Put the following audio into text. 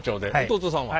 弟さんは？